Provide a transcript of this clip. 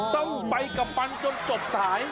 ต้องไปกับมันจนจบสาย